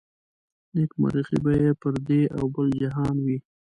نيکمرغي به يې پر دې او بل جهان وي